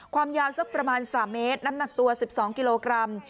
ความยาวสักประมาณ๓เมตรน้ำหนักตัว๑๒กิโลกรัม